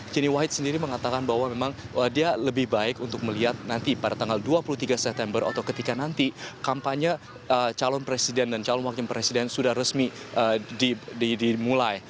kini wahid sendiri mengatakan bahwa memang dia lebih baik untuk melihat nanti pada tanggal dua puluh tiga september atau ketika nanti kampanye calon presiden dan calon wakil presiden sudah resmi dimulai